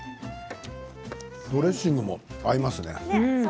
ドレッシングも合いますね。